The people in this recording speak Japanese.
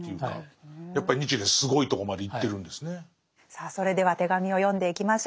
さあそれでは手紙を読んでいきましょう。